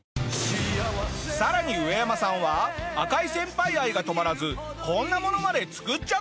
さらにウエヤマさんは赤井先輩愛が止まらずこんなものまで作っちゃったぞ。